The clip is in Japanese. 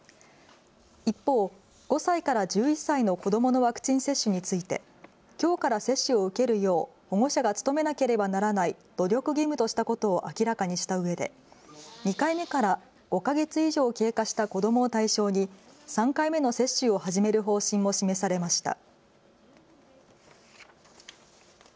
一方、５歳から１１歳の子どものワクチン接種についてきょうから接種を受けるよう保護者が努めなければならない努力義務としたことを明らかにしたうえで２回目から５か月以上経過した子どもを対象に３回目の接種を始める方針も示されました。